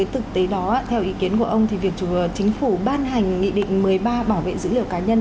thực tế đó theo ý kiến của ông thì việc chính phủ ban hành nghị định một mươi ba bảo vệ dữ liệu cá nhân